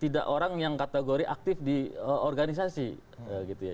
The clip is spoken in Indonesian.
tidak orang yang kategori aktif di organisasi gitu ya